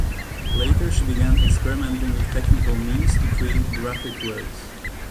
Later she began experimenting with technical means to create graphic works.